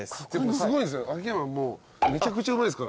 すごいんですよ。